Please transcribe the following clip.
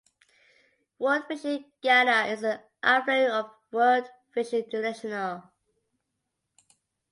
World Vision Ghana is an affiliate of World Vision International.